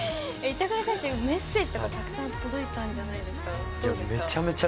板倉選手、メッセージとかたくさん届いたんじゃないですか？